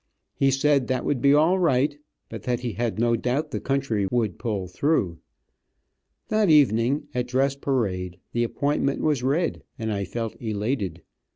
He said that would be all right, that he had no doubt the country would pull through. That evening at dress parade the appointment was read, and I felt elated.